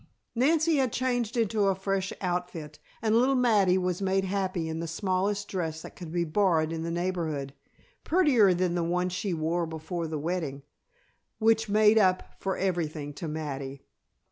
Nancy had changed into a fresh outfit and little Mattie was made happy in the smallest dress that could be borrowed in the neighborhood, prettier than the one she wore before the wetting, which made up for everything to Mattie.